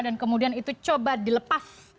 dan kemudian itu coba dilepas